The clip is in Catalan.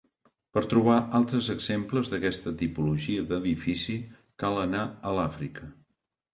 Per trobar altres exemples d'aquesta tipologia d'edifici cal anar a l'Àfrica.